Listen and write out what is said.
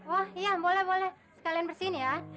wah iya boleh boleh sekalian bersihin ya